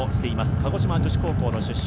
鹿児島女子高校の出身。